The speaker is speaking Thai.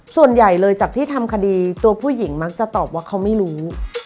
ส่วนใหญ่เลยจากที่ทำคดีตัวผู้หญิงมักจะตอบว่าเขาไม่รู้